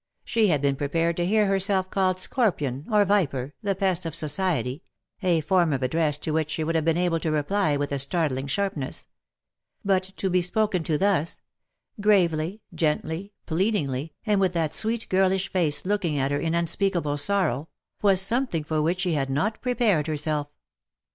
She had been prepared to hear herself called scorpion — or viper — the pest of society — a form of address to which she would have been able to reply with a startling sharpness. But to be spoken to thus — gravely, gently, pleadingly, and with that sweet girlish face looking at her in unspeakable sorrow — was something for which she had not prepared herself.